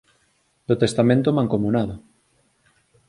Do testamento mancomunado